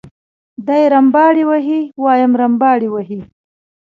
دی رمباړې وهي وایم رمباړې وهي.